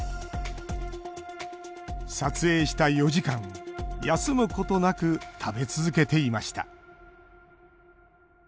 撮影した４時間、休むことなく食べ続けていました